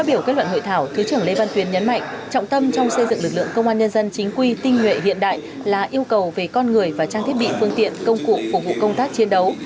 trong luận hội thảo thứ trưởng lê văn tuyến nhấn mạnh trọng tâm trong xây dựng lực lượng công an nhân dân chính quy tinh nguyện hiện đại là yêu cầu về con người và trang thiết bị phương tiện công cụ phục vụ công tác chiến đấu